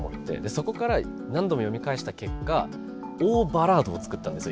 そこから何度も読み返した結果大バラードを作ったんですよ。